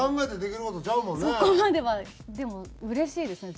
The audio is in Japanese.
でもうれしいですね。